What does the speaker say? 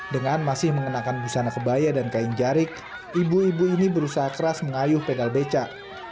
dengan masih mengenakan busana kebaya dan kain jarik ibu ibu ini berusaha keras mengayuh pegal beca